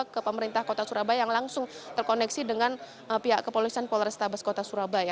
ke pemerintah kota surabaya yang langsung terkoneksi dengan pihak kepolisian polrestabes kota surabaya